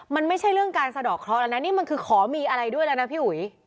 มันไม่ใช่เรื่องการสะดอกเคราะห์แล้วนะนี่มันคือขอมีอะไรด้วยแล้วนะพี่อุ๋ย